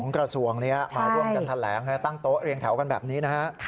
กระทรวงนี้มาร่วมกันแถลงตั้งโต๊ะเรียงแถวกันแบบนี้นะฮะ